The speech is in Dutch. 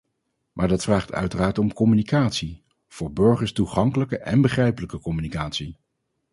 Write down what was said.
Maar dat vraagt uiteraard om communicatie, voor burgers toegankelijke en begrijpelijke communicatie.